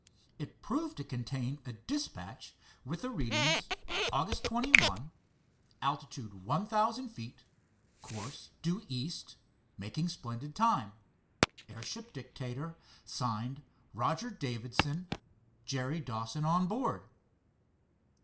It proved to contain a dispatch with the readings: 'Aug. 21, altitude one thousand feet, course due east, making splendid time. Airship Dictator: Signed, Roger Davidson, Perry Dawson, on board.